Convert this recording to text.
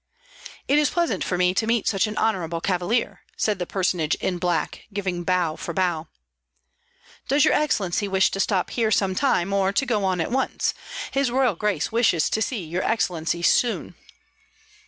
"It is pleasant for me to meet such an honorable cavalier," said the personage in black, giving bow for bow. "Does your excellency wish to stop here some time or to go on at once? His Royal Grace wishes to see your excellency soon."